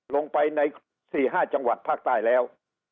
ลงไปใน๔๕จังหวัดภาคใต้แล้ว